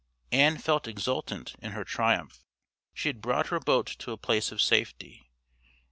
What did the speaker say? Ann felt exultant in her triumph. She had brought her boat to a place of safety.